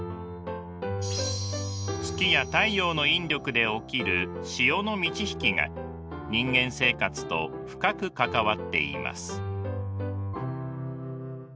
月や太陽の引力で起きる潮の満ち引きが人間生活と深く関わっています。